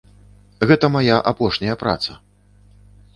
Гэта мая апошняя праца.